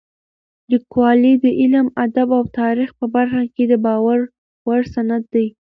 لیکوالی د علم، ادب او تاریخ په برخه کې د باور وړ سند دی.